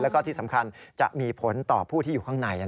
แล้วก็ที่สำคัญจะมีผลต่อผู้ที่อยู่ข้างใน